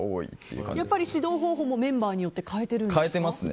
やっぱり指導方法もメンバーによって変えてるんですか？